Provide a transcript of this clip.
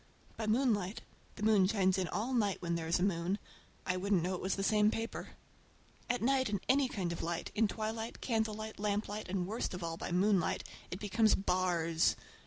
By moonlight—the moon shines in all night when there is a moon—I wouldn't know it was the same paper. At night in any kind of light, in twilight, candlelight, lamplight, and worst of all by moonlight, it becomes bars!